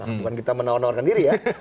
bukan kita menawarkan diri ya